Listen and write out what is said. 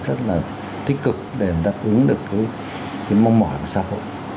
rất là tích cực để đáp ứng được cái mong mỏi của xã hội